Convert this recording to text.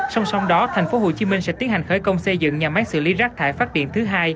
song song đó tp hcm sẽ tiến hành khởi công xây dựng nhà máy xử lý rác thải phát điện thứ hai